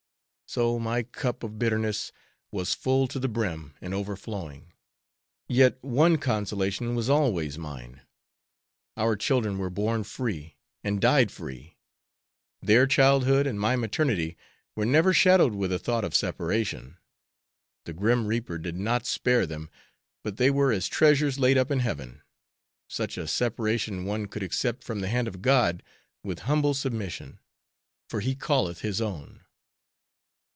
So my cup of bitterness was full to the brim and overflowing; yet one consolation was always mine! Our children were born free and died free! Their childhood and my maternity were never shadowed with a thought of separation. The grim reaper did not spare them, but they were as "treasures laid up in heaven." Such a separation one could accept from the hand of God, with humble submission, "for He calleth His own!"